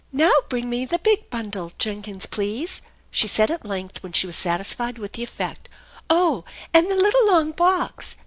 " Now bring me the big bundle, Jenkins, please/' she said at length when she was satisfied with the effect. " Oh, and 1he little long box.